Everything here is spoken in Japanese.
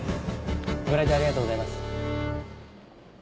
ご来場ありがとうございます。